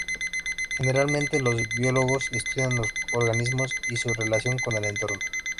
Generalmente los biólogos estudian los organismos y su relación con el entorno.